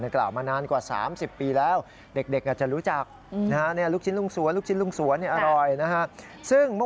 และกล่าวมานานกว่าสามสิบปีแล้ว